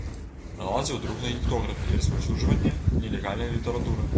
Наладзіў друк на гектографе і распаўсюджванне нелегальнай літаратуры.